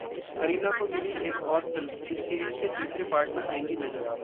करीना को मिली एक और फिल्म, इस सीरीज के तीसरे पार्ट में आएंगी नजर!